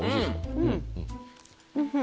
うん。